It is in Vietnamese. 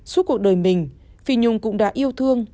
suốt cuộc đời mình phi nhung cũng đã yêu thương